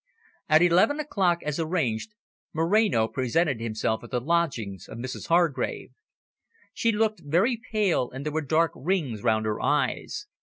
At eleven o'clock, as arranged, Moreno presented himself at the lodgings of Mrs Hargrave. She looked very pale and there were dark rings round her eyes.